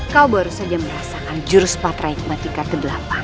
kau baru saja merasakan jurus patriot matiga ke delapan